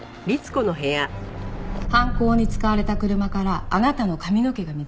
犯行に使われた車からあなたの髪の毛が見つかったの。